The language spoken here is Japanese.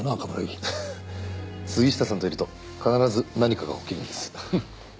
杉下さんといると必ず何かが起きるんです。